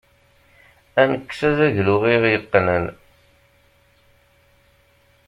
Ad nekkes azaglu i ɣ-yeqqnen.